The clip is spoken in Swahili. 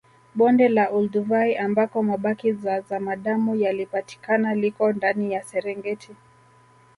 Bonde la Olduvai ambako mabaki ya zamadamu yalipatikana liko ndani ya Serengeti